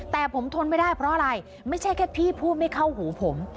แต่ผมทนไม่ได้เพราะอะไรไม่ใช่แค่พี่พูดไม่เข้าหูผม